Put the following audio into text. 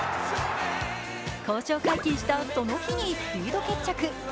交渉解禁したその日にスピード決着。